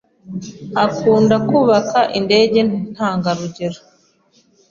Akunda kubaka indege ntangarugero.